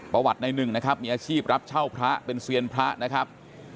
ประวัติในหนึ่งนะครับมีอาชีพรับเช่าพระเป็นเซียนพระนะครับ